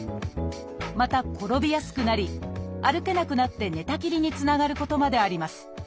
また転びやすくなり歩けなくなって寝たきりにつながることまであります。